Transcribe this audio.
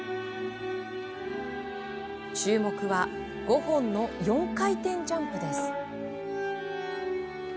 注目は５本の４回転ジャンプです。